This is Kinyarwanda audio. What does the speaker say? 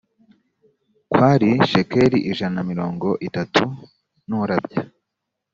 kwari shekeli ijana na mirongo itatu n urabya